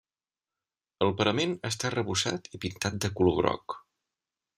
El parament està arrebossat i pintat de color groc.